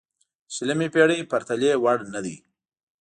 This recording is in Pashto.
د شلمې پېړۍ پرتلې وړ نه دی.